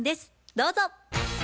どうぞ。